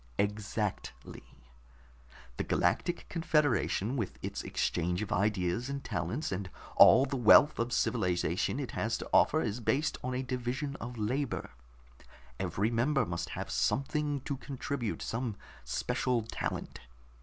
"Exactly. The Galactic Confederation, with its exchange of ideas and talents, and all the wealth of civilization it has to offer, is based on a division of labor. Every member must have something to contribute, some special talent.